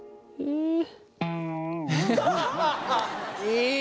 いい！